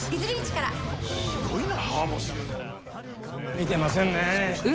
見てませんね。